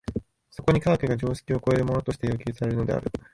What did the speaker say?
そこに科学が常識を超えるものとして要求されるのである。